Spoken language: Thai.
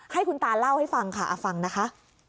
ให้คุณตาเล่าให้ฟังค่ะฟังนะคะ